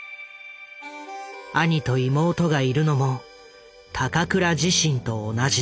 兄と妹がいるのも高倉自身と同じだ。